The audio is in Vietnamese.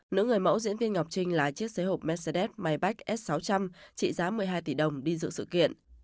nữ người mẫu diễn viên ngọc trinh là chiếc xế hộp mercedes maybach s sáu trăm linh trị giá một mươi hai tỷ đồng đi dựa sự kiện